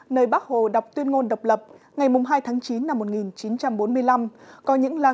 nơi bác hồ đọc tuyên ngôn độc lập ngày hai tháng chín năm một nghìn chín trăm bốn mươi năm